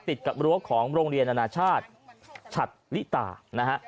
ติดกับรั้วของโรงเรียนอนาชาติฉัดลิตานะฮะ